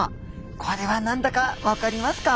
これは何だかわかりますか？